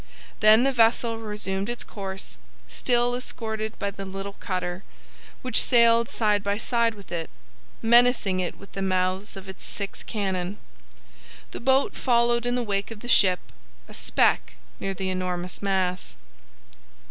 Then the vessel resumed its course, still escorted by the little cutter, which sailed side by side with it, menacing it with the mouths of its six cannon. The boat followed in the wake of the ship, a speck near the enormous mass.